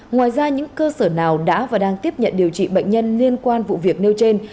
ngoài ra những cơ sở nào đã và đang tiếp nhận điều trị bệnh nhân liên quan vụ việc nêu trên